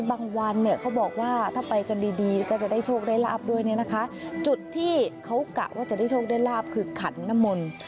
วันเนี่ยเขาบอกว่าถ้าไปกันดีดีก็จะได้โชคได้ลาบด้วยเนี่ยนะคะจุดที่เขากะว่าจะได้โชคได้ลาบคือขันนมล